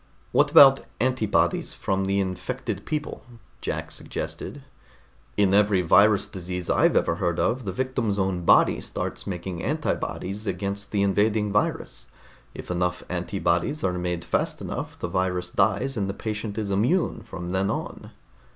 "What about antibodies from the infected people?" Jack suggested. "In every virus disease I've ever heard of, the victim's own body starts making antibodies against the invading virus. If enough antibodies are made fast enough, the virus dies and the patient is immune from then on."